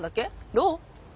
どう？